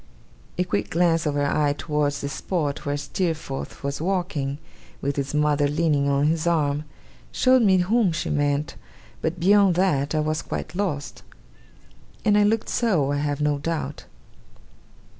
A quick glance of her eye towards the spot where Steerforth was walking, with his mother leaning on his arm, showed me whom she meant; but beyond that, I was quite lost. And I looked so, I have no doubt.